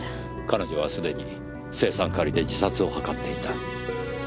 彼女は既に青酸カリで自殺を図っていた。